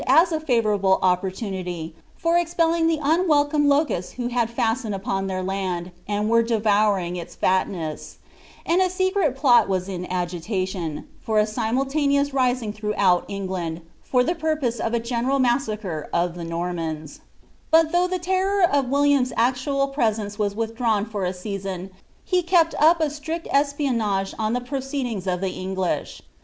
■■■ bvoarablo opportunity for expelling tlie unwelcome locusts '*h»j^^B bd fuitetied upon ihe Und, and were devouring its fatness ; and a sev*A^^H ftot was in ngiiation, fur a simultaneous rising throughout Englantl, filV ^H dw porpoM nf a general massacre of the Normans/ Bat though the ^| Mror w WiUiain's aL'iual presence was wiilidrawn for a season, he kept V ■ strict espionage on iho proceedingH of the English.